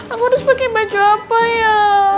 aku harus pakai baju apa ya